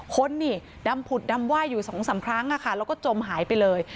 คนนี่ดำผุดดำว่ายอยู่สองสามครั้งค่ะแล้วก็จมหายไปเลย